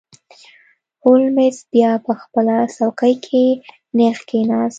هولمز بیا په خپله څوکۍ کې نیغ کښیناست.